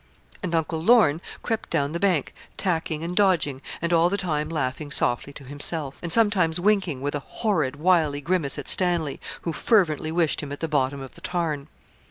And Uncle Lorne crept down the bank, tacking, and dodging, and all the time laughing softly to himself; and sometimes winking with a horrid, wily grimace at Stanley, who fervently wished him at the bottom of the tarn.